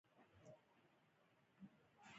د کار پر وخت د وړانګو له خطر څخه خپل ځانونه وساتي.